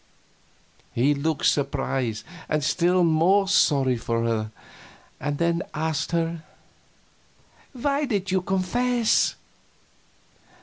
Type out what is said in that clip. He looked surprised and still more sorry then, and asked her: "Then why did you confess?"